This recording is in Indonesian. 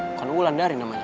bukan ulan dari namanya